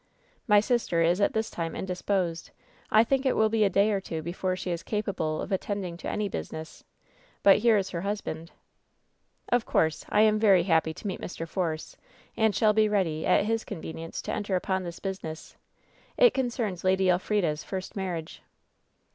"My sister is at this time indisposed. I think it will be a day or two before she is capable of attending to any business. But here is her husband." "Of course. I am very happy to meet Mr. Force, and shall be ready, at his convenience, to enter upon this business. It concerns Lady Elfrida's first marriage."